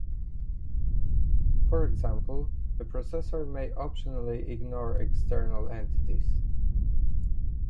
For example, a processor may optionally ignore external entities.